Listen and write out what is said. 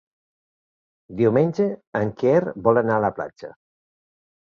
Diumenge en Quer vol anar a la platja.